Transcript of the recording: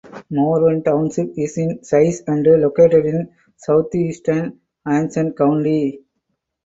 Morven Township is in size and located in southeastern Anson County.